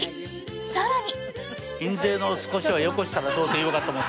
更に。